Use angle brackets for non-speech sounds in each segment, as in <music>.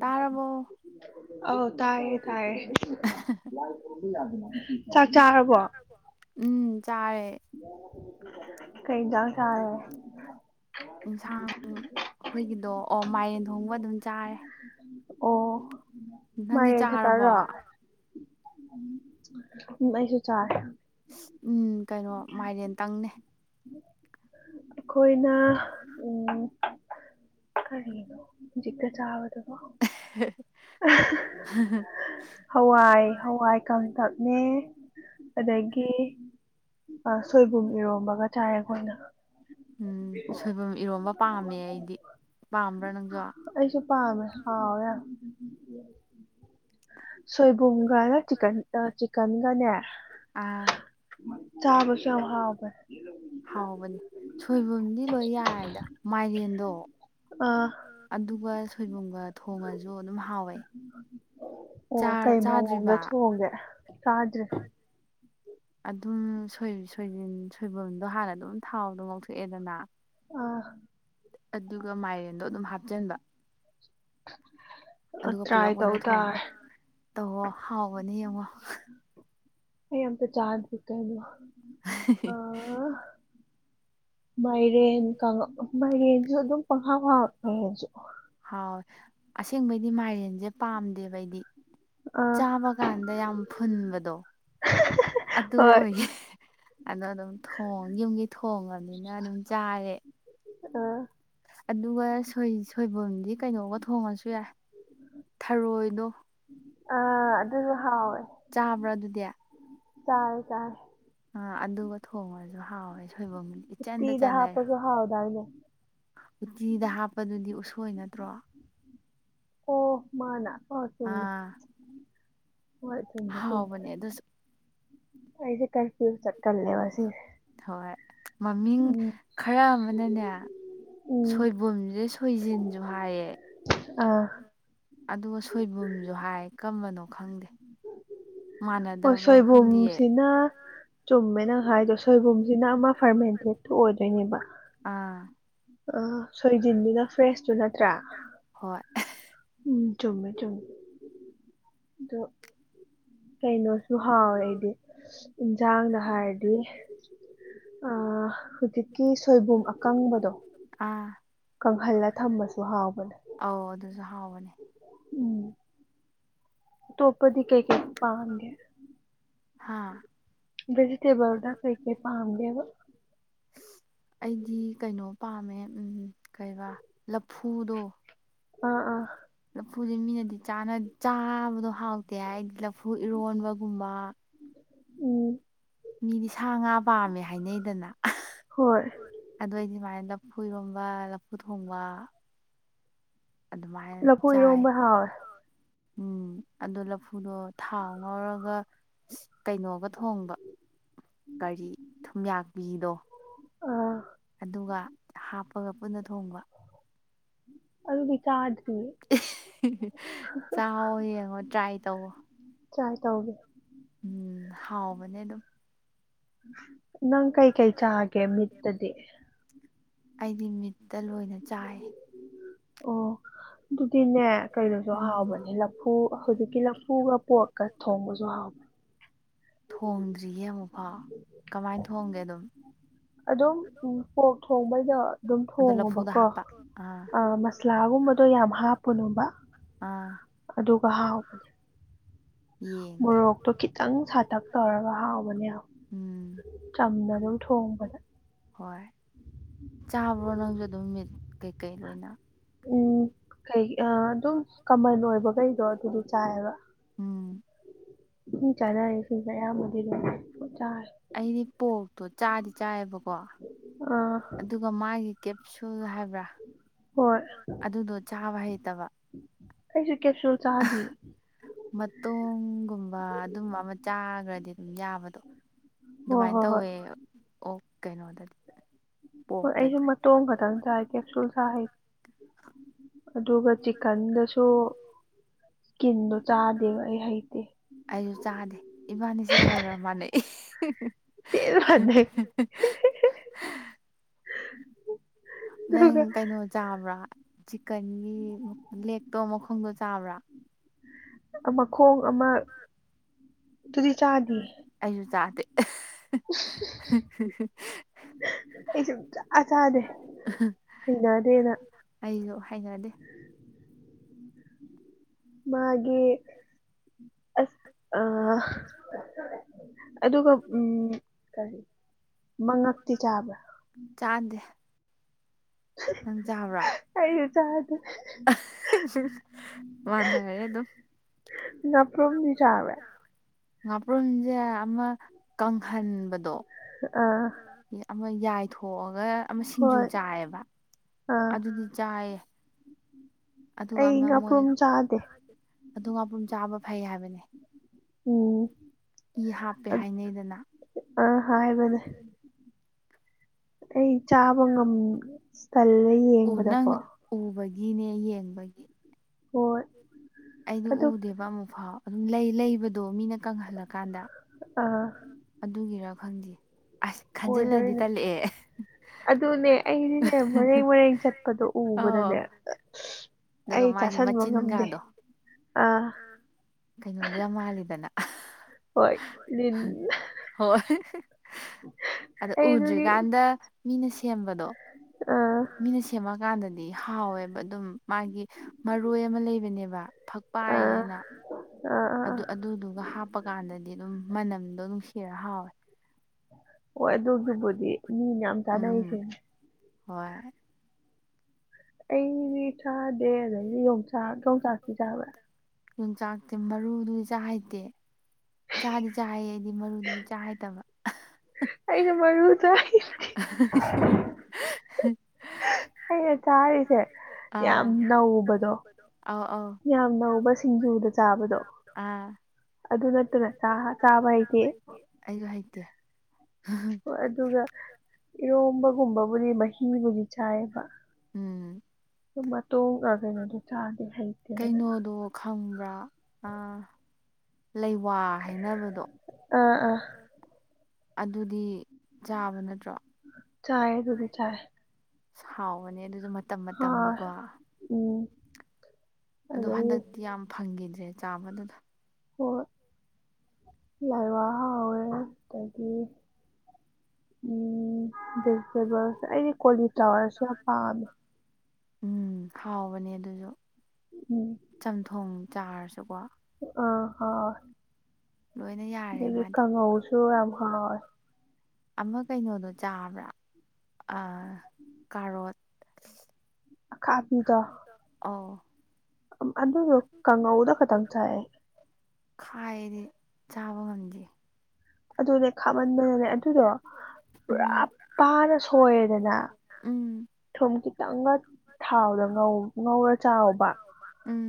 ꯇꯥꯔꯕꯣ ꯑꯧ ꯇꯥꯏꯌꯦ ꯇꯥꯏꯌꯦ ꯆꯥꯛ ꯆꯥꯔꯕꯣ ꯎꯝ ꯆꯥꯔꯦ ꯌꯥ ꯆꯥꯔꯦ ꯌꯦꯟꯁꯥꯡ ꯑꯩꯈꯣꯏꯒꯤꯗꯣ ꯑꯣ ꯃꯥꯏꯔꯦꯟ ꯊꯣꯡꯕ ꯑꯗꯨꯝ ꯆꯥꯔꯦ ꯑꯣ ꯅꯪꯗꯤ ꯃꯥꯌꯦꯡ ꯆꯥꯔꯕꯣ ꯈꯇꯥꯔꯣ ꯑꯩꯁꯨ ꯆꯥꯔ ꯎꯝ ꯀꯩꯅꯣ ꯃꯥꯏꯔꯦꯟꯇꯪꯅꯦ ꯑꯩꯈꯣꯏꯅ ꯎ ꯀꯔꯤꯒꯤꯅꯣ ꯍꯧꯖꯤꯛꯛꯇ ꯆꯥꯕꯗꯀꯣ <unintelligible> ꯍꯋꯥꯏ ꯍꯋꯥꯏ ꯀꯇꯛꯅꯦ ꯑꯗꯒꯤ ꯑ ꯁꯣꯏꯕꯨꯝ ꯏꯔꯣꯝꯕꯒ ꯆꯥꯏ ꯑꯩꯈꯣꯏꯅ ꯎꯝ ꯁꯣꯏꯕꯨꯝ ꯏꯔꯣꯝꯕ ꯄꯥꯝꯃꯦ ꯑꯩꯗꯤ ꯄꯥꯝꯕ꯭ꯔꯥ ꯅꯪꯁꯨ ꯑꯩꯁꯨ ꯄꯥꯃꯦ ꯍꯥꯎ ꯌꯥꯔ ꯁꯣꯏꯕꯨꯝꯒꯅ ꯆꯤꯟ ꯆꯤꯛꯀꯟꯒꯅꯦ ꯑꯥ ꯆꯥꯕꯁꯨ ꯌꯥꯝ ꯍꯥꯎꯕ ꯍꯥꯎꯕꯅꯦ ꯁꯣꯏꯕꯨꯝꯗꯤ ꯂꯣꯏ ꯌꯥꯏꯗ ꯃꯥꯏꯔꯦꯟꯗꯣ ꯑ ꯑꯗꯨꯒ ꯁꯣꯏꯕꯨꯝꯒ ꯊꯣꯡꯉꯁꯨ ꯑꯗꯨꯝ ꯍꯥꯎꯋꯦ ꯑꯣ ꯀꯩ ꯃꯑꯣꯡꯗ ꯆꯥꯗ꯭ꯔꯤꯕ ꯊꯣꯡꯒꯦ ꯆꯥꯗ꯭ꯔꯦ ꯑꯗꯨ ꯁꯣꯏ ꯁꯣꯏꯕꯨꯝꯗꯣ ꯍꯥꯟꯅ ꯑꯗꯨꯝ ꯊꯥꯎꯗꯣ ꯉꯧꯊꯣꯛꯑꯦꯗꯅ ꯑ ꯑꯗꯨꯒ ꯃꯥꯏꯔꯦꯟꯗꯣ ꯑꯗꯨꯝ ꯍꯥꯞꯆꯤꯟꯕ ꯑꯗꯨꯒ ꯇ꯭ꯔꯥꯏ ꯄꯨꯂꯞ ꯇꯧ ꯑꯣꯏꯅ ꯊꯣꯡꯕ ꯇꯥꯔꯦ ꯇꯧꯍꯣ ꯍꯥꯎꯕꯅ ꯌꯦꯡꯉꯣ ꯑꯩ ꯑꯃꯇ ꯆꯥꯗꯔ꯭ꯤ ꯀꯩꯅꯣ <unintelligible> ꯃꯥꯏꯔꯦꯟꯉ ꯃꯥꯏꯔꯦꯟꯁꯨ ꯑꯗꯨꯝ ꯄꯪꯍꯥꯎ ꯍꯥꯎꯕ ꯃꯥꯏꯔꯦꯟꯁꯨ ꯍꯥꯎ ꯑꯁꯦꯡꯕꯩꯗꯤ ꯃꯥꯏꯔꯦꯟꯁꯦ ꯄꯥꯝꯗꯦꯕ ꯑꯩꯗꯤ ꯑꯥ ꯆꯥꯕ ꯀꯥꯟꯗ ꯌꯥꯝ ꯐꯨꯟꯕꯗꯣ ꯑꯗꯨ ꯍꯣꯏ ꯑꯣꯏꯒꯦ ꯑꯗꯣ ꯑꯗꯨꯝ ꯊꯣꯡ ꯌꯨꯝꯒꯤ ꯊꯣꯡꯉꯕꯅꯤꯅ ꯑꯗꯨꯝ ꯆꯥꯔꯦ ꯑꯥ ꯑꯗꯨꯒ ꯁꯣꯏꯕꯨꯝꯗꯤ ꯀꯩꯅꯣꯒ ꯊꯣꯡꯉꯁꯨ ꯌꯥꯏ ꯊꯔꯣꯏꯗꯣ ꯑꯥ ꯑꯗꯨꯁꯨ ꯍꯥꯎꯋꯦ ꯆꯥꯕ꯭ꯔꯥ ꯑꯗꯨꯗꯤ ꯆꯥꯔꯦ ꯆꯥꯔꯦ ꯑꯥ ꯑꯗꯨꯒ ꯊꯣꯡꯉꯖꯨ ꯍꯥꯎꯋꯦ ꯁꯣꯏꯕꯨꯝꯗꯤ ꯏꯆꯟꯗ ꯎꯇꯤꯗ ꯆꯥꯟꯅꯔꯦ ꯍꯥꯞꯄꯁꯨ ꯍꯥꯎꯗꯥꯏꯅꯦ ꯎꯇꯤꯗ ꯍꯥꯞꯄꯗꯨꯗꯤ ꯎꯁꯣꯏ ꯅꯠꯇ꯭ꯔꯣ ꯃꯥꯅꯥ ꯑꯥ <unintelligible> ꯍꯣꯏ ꯆꯨꯝꯃ‌ꯦ ꯍꯥꯎꯕꯅꯦ ꯆꯨꯝꯃ‌ꯦ ꯑꯗꯨ ꯑꯩꯁꯦ ꯀꯟꯐꯨꯖ ꯆꯠꯀꯜꯂꯦꯕ ꯁꯤ ꯍꯣꯏ ꯃꯃꯤꯡ ꯈꯔ ꯑꯃꯅꯅꯦ ꯎꯝ ꯁꯣꯏꯕꯨꯝꯖ‌ꯦ ꯁꯣꯏꯖꯤꯟꯁꯨ ꯍꯥꯏꯌꯦ ꯑ ꯑꯗꯨꯒ ꯁꯣꯏꯕꯨꯝꯖꯨ ꯍꯥꯏ ꯀꯝꯕꯅꯣ ꯈꯪꯗꯦ ꯑꯣ ꯃꯥꯟꯅꯗꯕ꯭ꯔꯥ ꯈꯪꯗꯤꯌꯦ ꯁꯣꯏꯕꯨꯝꯁꯤꯅ ꯆꯨꯝꯃꯦ ꯅꯪ ꯍꯥꯏꯗꯣ ꯁꯣꯏꯕꯨꯝꯖꯤꯅ ꯑꯃ ꯐꯥꯔꯃꯦꯟꯇꯦꯠꯇ‌ꯣ ꯑꯣꯏꯗꯣꯏꯅꯦꯕ ꯑꯥ ꯁꯣꯏꯖꯤꯟꯗꯨꯅ ꯐ꯭ꯔꯦꯁꯇꯨ ꯅꯠꯇ꯭ꯔꯥ ꯍꯣꯏ ꯎꯝ ꯆꯨꯝꯃꯦ ꯆꯨꯝꯃꯦ ꯗꯣ ꯀꯩꯅꯣꯁꯨ ꯍꯥꯎꯋꯦ ꯑꯩꯗꯤ ꯏꯟꯖꯥꯡꯗ ꯍꯥꯏꯔꯗꯤ ꯑ ꯍꯧꯖꯤꯛꯀꯤ ꯁꯣꯏꯕꯨꯝ ꯑꯀꯪꯕꯗꯣ ꯑꯥ ꯀꯪꯍꯜꯂ ꯊꯝꯕꯁꯨ ꯍꯥꯎꯕꯅꯦ ꯑꯧ ꯑꯗꯨꯁꯨ ꯍꯥꯎꯕꯅꯦ ꯎꯝ ꯑꯇꯣꯞꯄꯗꯤ ꯀꯩ ꯀꯩ ꯄꯥꯥꯝꯒꯦ ꯍꯥ ꯚꯦꯖꯤꯇꯦꯕꯜꯗ ꯀꯩꯀꯩ ꯄꯥꯝꯒ‌ꯦꯕ ꯑꯩꯗꯤ ꯀꯩꯅꯣ ꯄꯥꯝꯃꯦ ꯎꯝ ꯀꯩꯕꯥ ꯂꯐꯨꯗꯣ ꯑꯥ ꯑꯥ ꯂꯐꯨꯖ‌ꯦ ꯃꯤꯅꯗꯤ ꯆꯥꯅ ꯆꯥꯕꯗꯣ ꯍꯥꯎꯇꯦ ꯍꯥꯏ ꯑꯩꯗꯤ ꯂꯐꯨ ꯏꯔꯣꯟꯕꯒꯨꯝꯕ ꯎꯝ ꯃꯤꯗꯤ ꯁꯥ ꯉꯥ ꯄꯥꯝꯃꯦ ꯍꯥꯏꯅꯩꯗꯅ ꯍꯣꯏ ꯍ‌ꯣꯏ ꯑꯗ‌ꯣ ꯑꯩꯗꯤ ꯁꯨꯃꯥꯏꯅ ꯂꯐꯨ ꯏꯔꯣꯝꯕ ꯂꯐꯨ ꯊꯣꯡꯕ ꯑꯗꯨꯃꯥꯏꯅ ꯂꯐꯨ ꯆꯥꯏ ꯏꯔꯣꯟꯕ ꯍꯥꯎꯏ ꯎꯝ ꯑꯗꯣ ꯂꯐꯨꯗꯣ ꯊꯥꯎ ꯉꯧꯔꯒ ꯀꯩꯅꯣꯒ ꯊꯣꯡꯕ ꯀꯔꯤ ꯊꯨꯝꯌꯥꯛꯄꯤꯗꯣ ꯑꯥ ꯑꯗꯨꯒ ꯍꯥꯞꯄꯒ ꯄꯨꯟꯅ ꯊꯣꯡꯕ ꯑꯗꯨꯗꯤ ꯆꯥꯗ ꯆꯥꯎꯋ‌ꯣ ꯌꯦꯡꯉꯣ ꯇ꯭ꯔꯥꯏ ꯇꯧꯋꯣ ꯇ꯭ꯔꯥꯏ ꯇꯧꯒꯦ ꯎꯝ ꯍꯥꯎꯕꯅꯦ ꯑꯗꯨꯝ ꯅꯪ ꯀꯩ ꯀꯩ ꯆꯥꯒꯦ ꯃꯤꯠꯇꯗꯤ ꯑꯩꯗꯤ ꯃꯤꯠꯇ ꯂꯣꯏꯅ ꯆꯥꯏ ꯑꯣ ꯑꯗꯨꯗꯤꯅꯦ ꯀꯩꯅꯣꯁꯨ ꯎꯝ ꯍꯥꯎꯕꯅꯦ ꯂꯐꯨ ꯍꯧꯖꯤꯛꯀꯤ ꯂꯐꯨꯒ ꯄꯣꯠꯀ ꯊꯣꯡꯕꯁꯨ ꯍꯥꯎꯕꯅ ꯊꯣꯡꯗ꯭ꯔꯤꯌꯦ ꯑꯃꯨꯛ ꯐꯥꯎ ꯀꯃꯥꯏꯅ ꯊꯣꯡꯒꯦ ꯑꯗꯨꯝ ꯑꯗꯨꯝ ꯎꯝ ꯄꯣꯛ ꯊꯣꯡꯕꯩꯗ‌ꯣ ꯑꯗꯨꯝ ꯑꯗꯣ ꯂꯐꯨꯗ ꯊꯣꯡꯉ‌ꯣꯕꯀꯣ ꯍꯥꯞꯄ ꯑꯥ ꯑ ꯃꯁꯂꯥꯒꯨꯝꯕꯗꯣ ꯌꯥꯝ ꯍꯥꯞꯄꯨꯅꯣꯕ ꯑꯥ ꯑꯗꯨꯒ ꯍꯥꯎꯕꯅ ꯌꯦꯡꯒꯦ ꯃꯣꯔꯣꯛꯇꯣ ꯈꯤꯇꯪ ꯁꯥꯇꯛ ꯇꯧꯔꯒ ꯍꯥꯎꯕꯅꯦ ꯌꯥꯝ꯫ ꯎꯝ ꯆꯝꯅ ꯑꯗꯨꯝ ꯊꯣꯡꯕꯗ ꯍꯣꯏ ꯆꯥꯕ꯭ꯔꯣ ꯅꯪꯖꯨ ꯑꯗꯨꯝ ꯃꯤꯠ ꯀꯩꯀꯩ ꯂꯣꯏꯅ ꯎꯝ ꯀꯩ ꯑꯗꯨꯝ ꯀꯃꯟ ꯑꯣꯏꯕꯈꯩꯗꯣ ꯑꯗꯨꯗꯤ ꯆꯥꯏꯕ ꯎꯝ ꯃꯤꯅ ꯆꯥꯟꯅꯔꯤꯁꯤꯡꯁ‌ꯦ ꯑꯌꯥꯝꯕ ꯂ‌ꯣꯏ ꯆꯥꯏ ꯑꯩꯗꯤ ꯄꯣꯔꯛꯇꯣ ꯆꯥꯗꯤ ꯆꯥꯏꯌꯦꯕꯀꯣ ꯑꯥ ꯑꯗꯨ ꯗꯨꯒ ꯃꯥꯒꯤ ꯀꯦꯞꯁꯨꯜ ꯍꯥꯏꯕ꯭ꯔꯥ ꯍꯣꯏ ꯍ‌ꯣꯏ ꯑꯗꯨꯗꯣ ꯆꯥꯕ ꯍꯩꯇꯕ ꯑꯩꯁꯨ ꯀꯦꯞꯁꯨꯜ ꯆꯥꯗꯤ ꯃꯇꯣꯡꯒꯨꯝꯕ ꯑꯗꯨꯝꯕ ꯑꯃ ꯆꯥꯈ꯭ꯔꯗꯤ ꯑꯗꯨꯝ ꯌꯥꯕꯗꯣ ꯍꯣꯏ ꯑꯗꯨꯃꯥꯏꯅ ꯍꯣꯏ ꯍꯣꯏ ꯇꯧꯋꯦ ꯑꯣ ꯀꯩꯅꯣꯗꯗꯤ ꯍꯣꯏ ꯄꯣꯛꯇꯗꯤ ꯑꯩꯁꯨꯦ ꯃꯇꯣ ꯈꯛꯇꯪ ꯁꯥꯏ ꯀꯦꯞꯁꯨꯜ ꯁꯥꯩ ꯑꯗꯨꯒ ꯆꯤꯀꯟꯗꯁꯨ ꯏꯁꯀꯤꯟꯗꯣ ꯆꯥꯗꯦꯕ ꯑꯩ ꯍꯩꯇꯦ ꯑꯩꯁꯨ ꯆꯥꯗꯦ ꯏꯕꯥꯅꯤꯁꯦ ꯈꯔ ꯈꯔ ꯃꯥꯟꯅꯩ ꯔ ꯋꯥꯗ ꯅ ꯅꯪ ꯀꯩꯅꯣ ꯆꯥꯕ꯭ꯔꯥ ꯆꯤꯛꯀꯟꯒꯤ ꯂꯦꯛꯇꯣ ꯃꯈꯣꯡꯗꯣ ꯆꯥꯕ꯭ꯔꯥ ꯑꯃ ꯃꯈꯣꯡ ꯑꯃ ꯑꯗꯨꯗꯤ ꯆꯥꯗꯦ ꯑꯩꯁꯨ ꯆꯥꯗꯦ ꯑꯩ ꯁꯨꯡꯆꯥ ꯆꯥꯗꯦ ꯍꯩꯅꯗꯦꯅꯥ ꯑꯩꯁꯨ ꯍꯥꯏꯅꯗꯦ ꯃꯥꯒꯤ ꯑꯁ ꯑ ꯑꯗꯨꯒ ꯎꯝ ꯀꯔꯤ ꯃꯉꯛꯇꯤ ꯆꯥꯕ꯭ꯔꯥ ꯆꯥꯟꯗꯦ ꯑꯩꯁꯨ ꯆꯥꯗ ꯃꯥꯟꯅꯔꯦ ꯑꯗꯨꯝ ꯉꯥꯄꯔ꯭ꯨꯝꯗꯤ ꯆꯥꯕꯔ꯭ ꯉꯥꯄ꯭ꯔꯣꯟꯁꯦ ꯑꯃ ꯀꯪꯍꯟꯕꯗꯣ ꯑꯥ ꯑꯃ ꯌꯥꯏꯊꯣꯛꯑꯒ ꯑꯃ ꯁꯤꯡꯖꯨ ꯍꯣꯏ ꯆꯥꯏꯌꯦꯕ ꯑꯥ ꯑꯗꯨꯗꯤ ꯆꯥꯏꯌꯦ ꯑꯗꯨꯒ ꯑꯩ ꯑꯃ ꯃꯣꯏ ꯉꯥꯄ꯭ꯔꯨꯝ ꯆꯥꯗꯦ ꯑꯗꯨ ꯃꯥꯄꯨꯝ ꯆꯥꯕ ꯐꯩ ꯍꯥꯏꯕꯅꯤ ꯎꯝ ꯏ ꯍꯥꯞꯄꯦ ꯍꯥꯏꯅꯩꯗꯅ ꯑ ꯍꯥꯏꯕꯅꯦ ꯑꯩ ꯆꯥꯕ ꯉꯝ ꯑꯁ ꯇꯜꯂꯦ ꯎ ꯅꯪ ꯌꯦꯡꯕꯗꯀꯣ ꯎꯕꯒꯤꯅꯦ ꯌꯦꯡꯕꯒꯤ ꯍꯣꯏ ꯑꯩꯗꯤ ꯑꯗꯨ ꯎꯗꯦꯕ ꯑꯃꯨꯛꯐꯥꯎ ꯑꯗꯨꯝ ꯂꯩ-ꯂꯩꯕꯗꯣ ꯃꯤꯅ ꯀꯪꯍꯜꯂꯀꯥꯟꯗ ꯑ ꯑꯗꯨꯒꯤꯔꯥ ꯈꯪꯗꯦ ꯑꯁ ꯈꯟꯖꯤꯜꯂꯗꯤ ꯑꯣꯏꯗꯣꯏꯅꯦ ꯇꯜꯂꯛꯑꯦ ꯑꯗꯨꯅꯦ ꯑꯩꯗꯤꯅꯦ ꯃꯔꯦꯡ-ꯃꯔꯦꯡ ꯆꯠꯄꯗꯣ ꯑꯧ ꯎꯕꯗꯅꯦ ꯑꯗꯨꯒ ꯑꯩ ꯃꯥꯒꯤ ꯇꯥꯁꯟꯕ ꯉꯝꯗꯦ ꯃꯆꯤꯟꯒꯥꯗꯣ ꯑꯥ ꯀꯩꯅꯣꯗꯣ ꯌꯥꯝ ꯃꯥꯜꯂꯤꯗꯅ ꯍꯣꯏ ꯂꯤꯟ ꯍꯣꯏ ꯑꯗ ꯑꯩ ꯑꯗꯨꯒꯤ ꯎꯗ꯭ꯔꯤꯀꯥꯟꯗ ꯃꯤꯅ ꯁꯦꯝꯕꯗꯣ ꯑꯥ ꯃꯤꯅ ꯁꯦꯝꯃꯀꯥꯟꯗꯗꯤ ꯍꯥꯎꯋꯦꯕ ꯑꯗꯨꯝ ꯃꯥꯒꯤ ꯃꯔꯣꯏ ꯑꯃ ꯂꯩꯕꯅꯦꯕ ꯑꯥ ꯐꯛꯄꯥꯏꯌꯦꯅ ꯑꯥ ꯑꯥ ꯑꯗꯨꯗꯨꯒ ꯍꯥꯞꯄꯛ ꯀꯥꯟꯗꯗꯤ ꯑꯗꯨꯝ ꯃꯅꯝꯗꯣ ꯅꯨꯡꯁꯤꯔ ꯍꯥꯎꯋꯦ ꯍ ꯑꯗꯨꯒꯤꯕꯨꯗꯤ ꯃꯤꯅ ꯌꯥꯝ ꯎꯝ ꯆꯥꯅꯩꯁꯦꯅꯦ ꯍꯣꯏ ꯑꯩꯗꯤ ꯆꯥꯗꯦ ꯑꯗꯩꯗꯤ ꯌꯣꯡꯆꯥꯛ ꯌꯣꯡꯆꯥꯛꯁꯤ ꯆꯥꯕ꯭ꯔꯥ ꯌꯣꯡꯆꯥꯛꯇꯤ ꯃꯔꯨꯗꯨꯗꯤ ꯆꯥ ꯍꯩꯇꯦ ꯆꯥꯗꯤ ꯆꯥ ꯑꯩꯗꯤ ꯃꯔꯨꯗꯨꯗꯤ ꯆꯥ ꯍꯩꯇꯕ ꯑꯩꯅ ꯃꯔꯨ ꯆꯥꯗꯣ ꯑꯩꯅ ꯆꯥꯔꯤꯁꯦ ꯌꯥꯝ ꯑꯥ ꯅꯧꯕꯗꯣ ꯑꯧ ꯑꯧ ꯌꯥꯝ ꯅꯧꯕ ꯁꯤꯡꯖꯨꯗ ꯆꯥꯕꯗꯣ ꯑꯥ ꯑꯗꯨ ꯅꯠꯇꯅ ꯆꯥꯕ ꯍꯥꯏꯇꯣ ꯑꯩꯁꯨꯣ ꯍꯩꯇꯦ ꯍ ꯑꯗꯨꯒ ꯏꯔꯣꯝꯕꯒꯨꯝꯕꯕꯨꯗꯤ ꯃꯍꯤꯕꯨꯗꯤ ꯆꯥꯏꯑꯕ ꯎꯝ ꯑꯗꯨ ꯃꯇꯇꯣꯡꯉꯒꯅꯦ ꯑꯗꯨꯣ ꯆꯥꯗꯦ ꯍꯩ ꯀꯩꯅꯣꯗꯣ ꯈꯪꯕ꯭ꯔꯥ ꯑꯥ ꯂꯩꯋꯥ ꯍꯥꯏꯅꯕꯗꯣ ꯑꯥ ꯑꯥ ꯑꯗꯨꯗꯤ ꯆꯥꯕ ꯅꯠꯇ꯭ꯔꯣ ꯆꯥꯏ ꯑꯗꯨꯗꯤ ꯆꯥꯏ ꯁ ꯍꯥꯎꯕꯅꯦ ꯑꯗꯨꯖꯨ ꯃꯇꯝ ꯍꯥꯎꯋꯦ ꯃꯇꯝꯒꯤꯀꯣ ꯎꯝ ꯑꯗꯣ ꯑꯗꯒꯤ ꯍꯟꯗꯛꯇꯤ ꯌꯥꯝ ꯐꯪꯒꯤꯗ꯭ꯔꯦ ꯆꯥꯕ ꯑꯗꯨꯗꯣ ꯍꯣꯏ ꯂꯥꯏꯋꯥ ꯍꯥꯎꯋꯦ ꯑꯗꯒꯤ ꯎꯝ ꯚꯦꯖꯤꯇꯦꯕꯜꯁꯇ ꯑꯩꯗꯤ ꯀꯣꯂꯤ ꯐ꯭ꯂꯥꯋꯔꯁꯨ ꯌꯥꯝ ꯄꯥꯝꯃꯦ ꯎꯝ ꯍꯥꯎꯕꯅꯦ ꯑꯗꯨꯖꯨ ꯎꯝ ꯆꯝꯊꯣꯡ ꯆꯥꯔꯁꯨꯀꯣ ꯑꯥ ꯍꯣꯏ ꯂꯣꯏꯅ ꯌꯥꯔꯦ ꯑꯗꯒꯤ ꯃꯥꯗꯤ ꯀꯥꯡꯉꯧꯁꯨ ꯌꯥꯝ ꯍꯥꯎꯋꯦ ꯑꯃ ꯀꯩꯅꯣꯗꯣ ꯆꯥꯕ꯭ꯔꯥ ꯑꯥ ꯀꯥꯔꯣꯠ ꯑꯈꯥꯕꯤꯗꯣ ꯈꯥꯕꯤꯗꯣ ꯑꯥꯎ ꯎꯝ ꯑꯗꯨꯗꯣ ꯀꯥꯡꯉꯧꯗ ꯈꯇꯪ ꯆꯥꯏ ꯑꯩ ꯈꯥꯏ ꯑꯩꯗꯤ ꯆꯥꯕ ꯉꯝꯗꯤꯌꯦ ꯑꯗꯨꯅꯦ ꯈꯥꯝꯃꯟꯗꯅꯅꯦ ꯑꯗꯨꯗꯣ ꯄꯨꯔꯥ ꯎꯝ ꯄꯥꯅ ꯁꯣꯏꯔꯦꯗꯅ ꯎꯝ ꯊꯨꯝ ꯈꯤꯇꯪꯒ ꯊꯥꯎꯗ ꯉꯧ ꯉꯧꯔ ꯆꯥꯎꯕ ꯎꯝ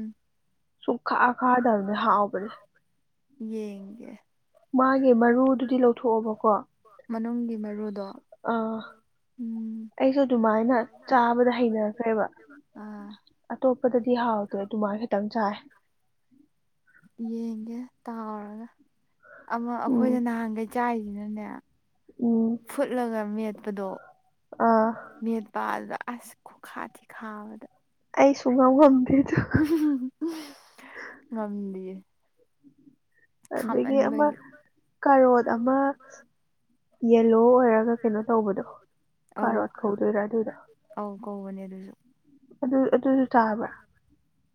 ꯁꯨꯡꯈꯥ ꯈꯥꯗꯕꯅꯦ ꯍꯥꯥꯎꯕꯅꯦ ꯌꯦꯡꯒꯦ ꯃꯥꯒꯤ ꯃꯔꯨꯗꯨꯗꯤ ꯂꯧꯊꯣꯛꯑꯣꯕꯀꯣ ꯃꯅꯨꯡꯒꯤ ꯃꯔꯨꯗꯣ ꯑꯥ ꯎꯝ ꯑꯩꯁꯨ ꯑꯗꯨꯃꯥꯏꯅ ꯆꯥꯕꯗ ꯍꯩꯅꯒ꯭ꯔꯦꯕ ꯑꯥ ꯑꯇꯣꯞꯄꯗꯗꯤ ꯍꯥꯎꯇ꯭ꯔꯦ ꯑꯗꯨꯃꯥꯏ ꯈꯇꯪ ꯆꯥꯏ ꯌꯦꯡꯒꯦ ꯇꯥꯎꯔꯒ ꯑꯃ ꯎꯝ ꯑꯈꯣꯏꯅ ꯅꯍꯥꯟꯒꯩ ꯆꯥꯏꯖꯤꯅꯅꯦ ꯎꯝ ꯐꯨꯠꯂꯒ ꯃꯦꯠꯄꯗꯣ ꯑꯥ ꯃꯦꯠ ꯄꯥ ꯑꯗꯨꯗ ꯑꯁ ꯈꯨꯈꯥ ꯊꯤ ꯈꯥꯕꯗ ꯑꯩ ꯁꯨꯡꯉꯝ ꯎꯝ ꯉꯝꯗꯦꯗꯣ ꯍꯨꯝ ꯍꯨꯝ ꯍꯨꯝꯍ ꯉꯝꯗꯤꯌꯦ ꯑꯗꯒꯤ ꯑꯃ ꯈꯥꯝꯃꯟꯕꯒꯤ ꯀꯔꯣꯠ ꯑꯃ ꯌꯦꯜꯂꯣ ꯑꯣꯏꯔꯒ ꯀꯩꯅꯣ ꯇꯧꯕꯗꯣ ꯑꯧ ꯀꯥꯔꯣꯠ ꯀꯧꯗꯣꯏꯔꯥ ꯑꯗꯨꯗꯣ ꯑꯧ ꯀꯧꯕꯅꯦ ꯑꯗꯨꯖꯨ ꯑꯗꯨ ꯑꯗꯨꯖꯨ ꯆꯥꯕ꯭ꯔꯥ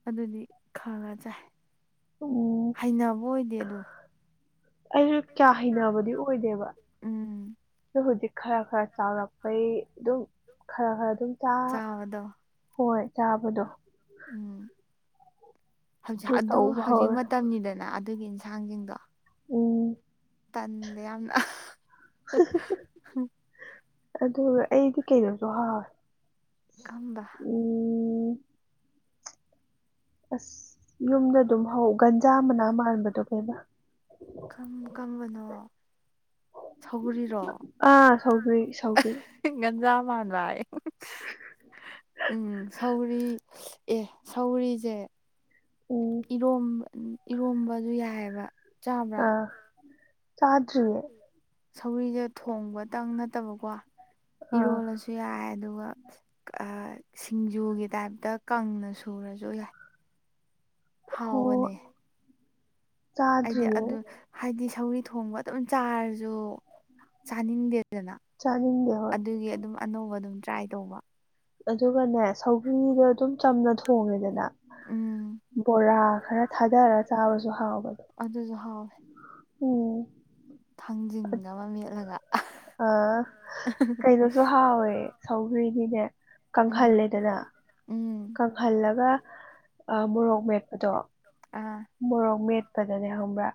ꯑꯗꯨꯗꯤ ꯈꯥꯡꯉ ꯆꯥꯏ ꯎꯝ ꯍꯩꯅꯕ ꯑꯣꯏꯗꯦ ꯑꯗꯣ ꯑꯩꯖꯨ ꯀꯌꯥ ꯍꯩꯅꯕꯗꯤ ꯑꯣꯏꯗꯦꯕ ꯎꯝ ꯑꯗꯣ ꯍꯧꯖꯤꯛ ꯈꯔ ꯈꯔ ꯆꯥꯎꯔꯛꯄꯩ ꯑꯗꯨꯝ ꯈꯔ ꯈꯔ ꯑꯗꯨꯝ ꯆꯥ ꯆꯥꯕꯗꯣ ꯍꯣꯏ ꯆꯥꯕꯗꯣ ꯎꯝ ꯍꯧꯖꯤꯛ ꯑꯗꯨ ꯇꯧꯕ ꯍꯧꯖꯤꯛ ꯍꯧꯔꯦ ꯃꯇꯝꯅꯤꯗꯅ ꯑꯗꯨꯒꯤ ꯏꯟꯁꯥꯡꯁꯤꯡꯗꯣ ꯎꯝ ꯇꯟꯗꯦ ꯌꯥꯝꯅ ꯑꯍ ꯑꯍ ꯍ ꯑꯗꯨꯒ ꯑꯩꯗꯤ ꯀꯩꯅꯣꯁꯨ ꯍꯥꯎꯋꯦ ꯀꯝꯕ ꯎꯝ ꯑꯁ ꯌꯨꯝꯗ ꯑꯗꯨꯝ ꯍꯧ ꯒꯟꯖꯥ ꯃꯅꯥ ꯃꯥꯟꯕꯗꯣ ꯀꯩꯕ ꯀꯝ ꯀꯝꯕꯅꯣ ꯁꯧꯒ꯭ꯔꯤꯔꯣ ꯑꯥ ꯁꯧꯒ꯭ꯔꯤ ꯑꯦ ꯍ ꯍ ꯒꯟꯖꯥ ꯃꯥꯟꯕꯥꯌꯦ ꯑꯦ ꯍꯨꯡ ꯍꯨꯡ ꯎꯝ ꯁꯧꯒ꯭ꯔꯤ ꯁꯁ ꯑꯦ ꯁꯧꯒ꯭ꯔꯤꯖꯦ ꯎꯝ ꯏꯔꯣꯝ ꯎꯝ ꯏꯔꯣꯝꯕꯖꯨ ꯌꯥꯏꯑꯕ ꯆꯥꯕ꯭ꯔꯥ ꯑꯥ ꯆꯥꯗ꯭ꯔꯤꯌꯦ ꯁꯧꯒꯔꯤꯁꯦ ꯊꯣꯡꯕꯇꯪ ꯅꯠꯇꯕꯀꯣ ꯑꯥ ꯏꯔꯣꯜꯂꯁꯨ ꯁꯨ ꯌꯥꯏ ꯑꯗꯨꯒ ꯁꯤꯡꯖꯨꯒꯤ ꯇꯥꯏꯞꯇ ꯀꯪꯅ ꯁꯨꯔꯁꯨ ꯌꯥꯏ꯫ ꯑꯣ ꯍꯥꯎꯕꯅꯦ꯫ ꯍꯥꯏꯗꯤ ꯆꯥꯗ꯭ꯔꯤꯌꯦ ꯑꯗꯨ ꯍꯥꯏꯗꯤ ꯁꯧꯔꯤ ꯊꯣꯡꯕ ꯑꯗꯨꯝ ꯆꯥꯔꯁꯨ ꯆꯥꯅꯤꯡꯗꯦ꯫ ꯗꯅ ꯆꯥꯅꯤꯡꯗꯦ ꯍꯣꯏ ꯑꯗꯨꯒꯤ ꯑꯗꯨꯝ ꯑꯅꯧꯕ ꯑꯗꯨꯝ ꯇ꯭ꯔꯥꯏ ꯇꯧꯕ ꯑꯗꯨꯒꯅꯦ ꯁꯧꯒ꯭ꯔꯤꯗꯣ ꯑꯗꯨꯝ ꯆꯝꯅ ꯊꯣꯡꯉꯦꯗꯅ ꯎꯝ ꯕꯣꯔꯥ ꯈꯔ ꯊꯥꯗꯔꯒ ꯆꯥꯕꯁꯨ ꯍꯥꯎꯕꯗ ꯑꯗꯨꯖ ꯑꯍꯥꯎꯋꯦ ꯎꯝ ꯊꯥꯡꯖꯤꯡꯒ ꯑꯃ ꯃꯦꯠꯂꯒ ꯁꯁꯨ ꯍꯥꯎꯋꯦ ꯁꯧꯒ꯭ꯔꯤꯅꯤꯅꯦ ꯎꯝ ꯀꯪꯍꯜꯂꯦꯗꯅ ꯎꯝ ꯀꯪꯍꯜꯂꯒ ꯃꯣꯔꯣꯛ ꯃꯦꯠꯄꯗꯣ ꯑꯥ ꯃꯣꯔꯣꯛ ꯃꯦꯠꯄꯗꯅꯦ ꯍꯪꯕ꯭ꯔꯥ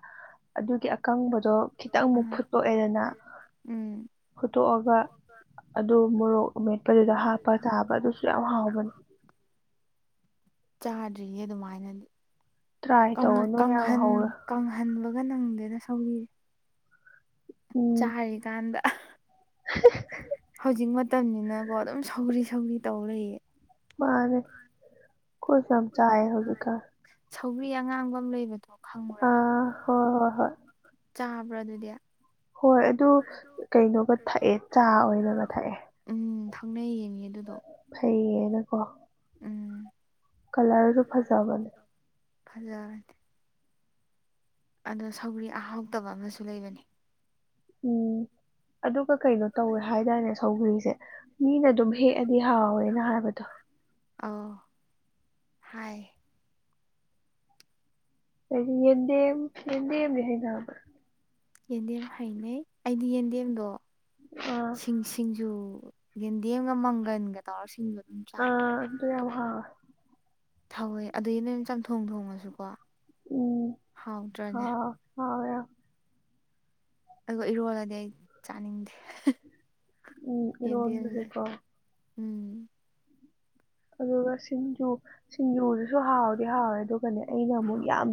ꯑꯗꯨꯒꯤ ꯑꯀꯪꯕꯗꯣ ꯈꯤꯇꯪ ꯑꯃꯨꯛ ꯑꯥ ꯐꯨꯠꯇꯣꯛꯑꯦꯗꯅ ꯎꯝ ꯐꯨꯠꯇꯣꯛꯑꯒ ꯑꯗꯨ ꯃꯣꯔꯣꯛ ꯃꯦꯠꯄꯗꯨꯗ ꯍꯥꯞꯄ ꯇꯥꯕ ꯑꯗꯨ ꯀ ꯍ ꯍꯥ ꯍꯕ ꯅꯅꯤ꯫ ꯆꯥꯗ꯭ꯔꯤꯌꯦ ꯑꯗꯨꯃꯥꯏꯅꯗꯤ ꯇ꯭ꯔꯥꯏ ꯇꯧꯑꯣ ꯅꯣꯏ ꯌꯥꯝ ꯀꯥꯡꯪꯍꯟ ꯍꯧꯋꯦ ꯀꯪꯍꯟꯕꯒ ꯅꯪꯗꯦꯅ ꯁꯧꯔꯤ꯫ ꯎꯝ ꯆꯥꯔꯤꯀꯥꯟꯗ ꯍꯧꯖꯤꯛ ꯃꯇꯝꯅꯤꯅꯀꯣ ꯑꯗꯨꯝ ꯁꯧꯔꯤ ꯁꯧꯔꯤ ꯇꯧꯔꯛꯌꯦ꯫ ꯃꯥꯅꯦ ꯑꯈꯣꯏ ꯁꯨꯆꯌꯦ ꯍꯧꯖꯤꯛꯀꯥꯅ ꯁꯧꯕꯔꯤ ꯑꯉꯥꯡꯕ ꯑꯃ ꯂꯩꯕꯗꯣ ꯑ ꯍꯣꯏ ꯍꯣꯏ ꯍꯣꯏ ꯆꯥꯕ꯭ꯔꯣ ꯑꯗꯨꯗꯤ꯫ ꯍꯣꯏ ꯑꯗꯨ ꯀꯩꯅꯣꯒ ꯊꯛꯑꯦ ꯆꯥ ꯑꯣꯏꯅꯒ ꯊꯛꯑꯦ꯫ ꯎꯝ ꯐꯪꯅꯩ ꯌꯦꯡꯉ ꯑꯗꯨꯗꯣ ꯐꯩꯌꯦꯅꯀꯣ ꯎꯝ ꯀꯂꯔꯣ ꯐꯖꯕꯅꯦ꯫ ꯐꯖꯕꯅꯦ꯫ ꯑꯗꯨ ꯁꯧꯒ꯭ꯔꯤ ꯑꯥꯎꯇꯕ ꯑꯃꯁꯨ ꯂꯩꯕꯅꯤ꯫ ꯎꯝ ꯑꯗꯨꯒ ꯀꯩꯅꯣ ꯇꯧꯋꯦ ꯍꯥꯏꯇꯥꯔꯅꯦ ꯁꯧꯒ꯭ꯔꯤꯁꯦ ꯃꯤꯅ ꯑꯗꯨꯝ ꯍꯦꯛꯑꯗꯤ ꯍꯥꯎꯋꯦꯅ ꯍꯥꯏꯕꯗꯣ ꯑꯣ ꯍꯥꯏ ꯍꯥꯏꯗꯤ ꯌꯦꯟꯗꯦꯝ ꯌꯦꯟꯗꯦꯝꯗꯤ ꯍꯩꯅꯕꯔ ꯌꯦꯟꯗꯦꯝ ꯍꯩꯩꯅꯩ ꯑꯩꯗꯤ ꯌꯦꯟꯗꯦꯝꯗꯣ ꯑꯥ ꯁꯤꯡ ꯁꯤꯡꯖꯨ ꯌꯦꯗꯤꯝꯒ ꯃꯪꯒꯟꯒ ꯇꯧꯔ ꯁꯤꯡꯖꯨ ꯑꯗꯨꯝ ꯆꯥꯏ ꯑꯥ ꯑꯗꯨ ꯌꯥꯝ ꯍꯥꯎꯋꯦ꯫ ꯊꯥꯎꯋꯦ ꯑꯗꯨꯒꯤ ꯅꯣꯏꯅ ꯆꯝꯊꯣꯡ ꯊꯣꯡꯉꯁꯨꯀꯣ ꯎꯝ ꯍꯥꯎꯗ꯭ꯔꯅꯦ ꯍꯥꯎ ꯍꯥꯎꯋꯦ ꯌꯥꯝ ꯑꯗꯨꯒ ꯏꯔꯣꯜꯂꯗꯤ ꯑꯩ ꯆꯥꯅꯤꯡꯗꯦ ꯎꯝ ꯌꯦꯟꯗꯦꯝꯁꯦ ꯏꯔꯣꯟꯕꯁꯦꯀꯣ ꯎꯝ ꯑꯗꯨꯒ ꯁꯤꯡꯖꯨ ꯁꯤꯡꯖꯨꯗꯨꯁꯨ ꯍꯥꯎꯗꯤ ꯍꯥꯎꯋꯦ ꯑꯗꯨꯒꯅꯦ ꯑꯩꯅ ꯑꯃꯨꯛ ꯌꯥꯝ